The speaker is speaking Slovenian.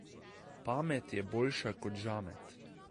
Pamet je boljša kot žamet.